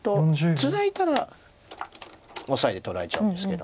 ツナいだらオサエで取られちゃうんですけど。